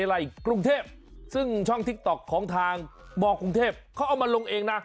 กรุงเทพซึ่งช่องติ๊กต๊อกของทางมกรุงเทพเขาเอามาลงเองนะ